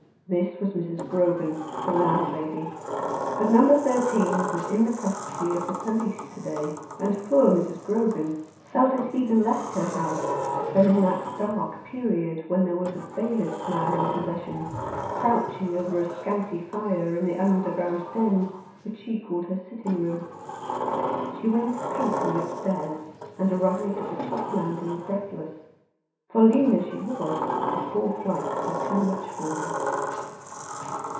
This was Mrs. Grogan, the landlady; but No. 13 was in the custody of the police to day, and poor Mrs. 90 At Number Thirteen, Dynevor Street. Grogan felt it even less her house than in that dark period when there was a bailiff's man in possession, crouching over a scanty fire in the underground den which she called her sitting room. She went panting upstairs, and arrived at the top landing breathless ; for, lean as she was, the four flights were too much for her.